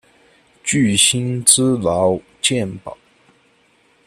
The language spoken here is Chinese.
具薪资劳健保